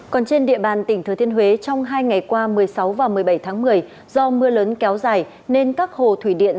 còn trên địa bàn tỉnh thừa thiên huế trong hai ngày qua một mươi sáu và một mươi bảy tháng một mươi do mưa lớn kéo dài nên các hồ thủy điện